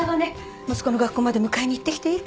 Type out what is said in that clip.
息子の学校まで迎えに行ってきていいかしら